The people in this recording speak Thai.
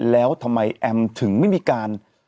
แล้วทำไมแอมถึงไม่มีการ